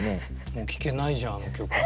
もう聴けないじゃんあの曲が。